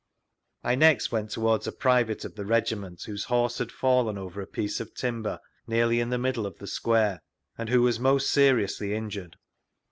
I next went towards a private of the Regiment whose horse had fallen over a piece of timber nearly in the middle of the square, and who was most seriously injured.